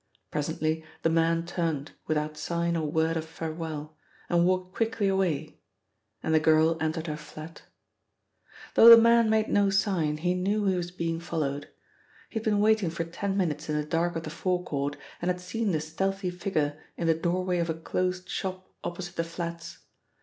Presently the man turned without sign or word of farewell, and walked quickly away and the girl entered her flat. Though the man made no sign, he knew he was being followed. He had been waiting for ten minutes in the dark of the forecourt and had seen the stealthy figure in the doorway of a closed shop opposite the flats.